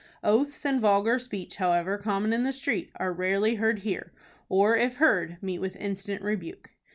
Oaths and vulgar speech, however common in the street, are rarely heard here, or, if heard, meet with instant rebuke.